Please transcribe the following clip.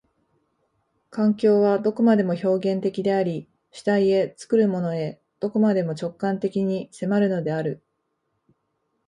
環境はどこまでも表現的であり、主体へ、作るものへ、どこまでも直観的に迫るのである。